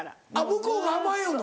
向こうが甘えよんの？